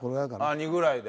２ぐらいで？